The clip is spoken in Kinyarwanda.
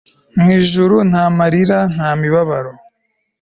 mu ijuru nta marira nta n'imibabaro